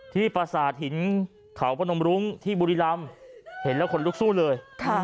ประสาทหินเขาพนมรุ้งที่บุรีรำเห็นแล้วขนลุกสู้เลย